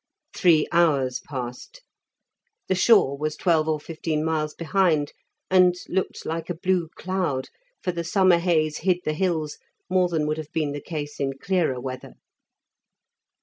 Three hours passed. The shore was twelve or fifteen miles behind, and looked like a blue cloud, for the summer haze hid the hills, more than would have been the case in clearer weather.